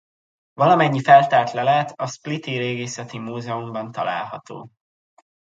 Valamennyi feltárt lelet a spliti régészeti múzeumban található.